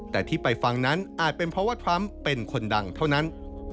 แต่ที่ไปฟังนั้นอาจเป็นเพราะว่าทรัมป์เป็นคนดังเท่านั้น